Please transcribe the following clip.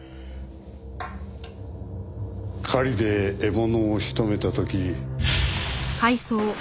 狩りで獲物を仕留めた時。